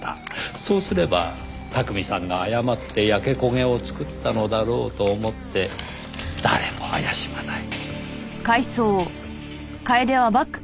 そうすれば巧さんが誤って焼け焦げを作ったのだろうと思って誰も怪しまない。